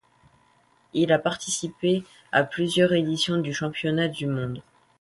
Il a participé à plusieurs éditions du championnat du monde.